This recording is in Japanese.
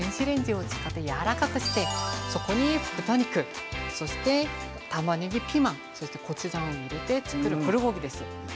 かぼちゃを電子レンジを使って、やわらかくしてそこに豚肉、たまねぎ、ピーマンそしてコチュジャンを入れて作るプルコギです。